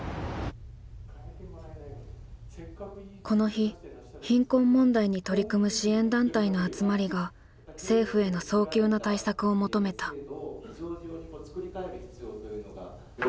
この日貧困問題に取り組む支援団体の集まりが政府への早急な対策を求めた。